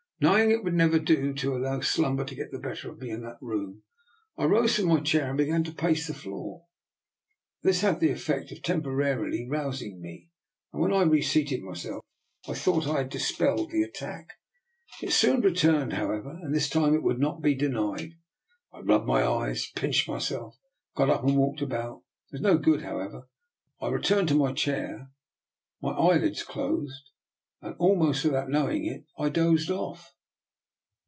Knowing it would never do to allow slumber to get the better of me in that room, I rose from my chair and began to pace, the floor. This had the effect of temporarily rousing me, and when I reseated myself I thought I had dispelled the attack. It soon returned, however, and this time it would not be denied. I rubbed my eyes, I pinched my self, I got up and walked about. It was no good, however; I returned to my chair, my eyelids closed, and almost without knowing it I dozed off.